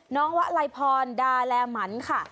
น้องวะไลพรดาแลมันค่ะ